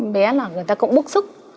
bé là người ta cũng bức xúc